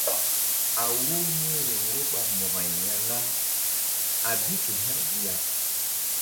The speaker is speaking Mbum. A wo míriŋ wo ɓa Mo̧ko-ay ya na a bi ke hȩk bi ya.